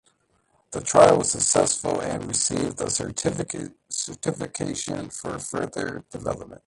The trial was successful and received the certification for further development.